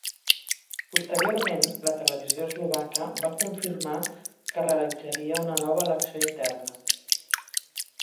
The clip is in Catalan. Posteriorment, la televisió eslovaca va confirmar que realitzaria una nova elecció interna.